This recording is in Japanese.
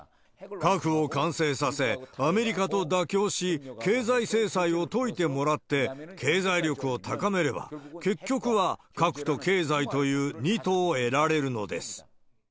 核を完成させ、アメリカと妥協し、経済制裁を解いてもらって、経済力を高めれば、結局は、核と経済という二兎を得られるのです。